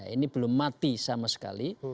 ini belum mati sama sekali